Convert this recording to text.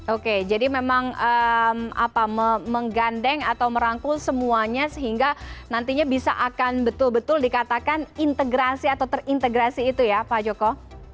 oke jadi memang menggandeng atau merangkul semuanya sehingga nantinya bisa akan betul betul dikatakan integrasi atau terintegrasi itu ya pak joko